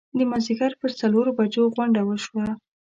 د مازیګر پر څلورو بجو غونډه وشوه.